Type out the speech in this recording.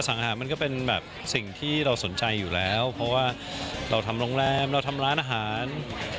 สังหารมันก็เป็นแบบสิ่งที่เราสนใจอยู่แล้วเพราะว่าเราทำโรงแรมเราทำร้านอาหาร